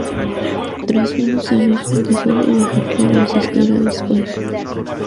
Tras unos años, dejó de viajar para asistir a la escuela.